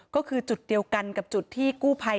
ก็คือจุดเดียวกันกับจุดที่กู้ภัย